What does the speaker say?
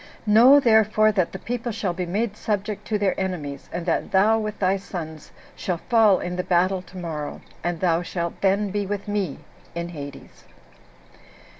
Know, therefore, that the people shall be made subject to their enemies, and that thou, with thy sons, shall fall in the battle tomorrow, and thou shalt then be with me [in Hades]."